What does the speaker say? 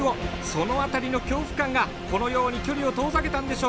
その辺りの恐怖感がこのように距離を遠ざけたんでしょうか。